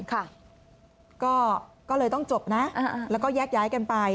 ก็เลยต้องจบนะแล้วก็แยกย้ายกันไป